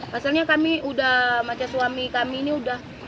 pasalnya kami udah baca suami kami ini udah